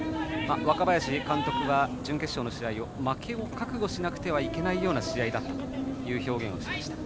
若林監督は準決勝の試合を負けを覚悟しなくてはいけないような試合だったという表現をしました。